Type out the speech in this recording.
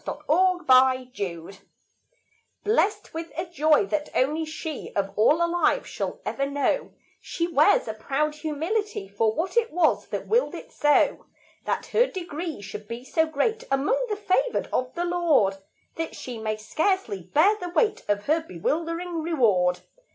The Gift of God Blessed with a joy that only she Of all alive shall ever know, She wears a proud humility For what it was that willed it so, That her degree should be so great Among the favored of the Lord That she may scarcely bear the weight Of her bewildering reward.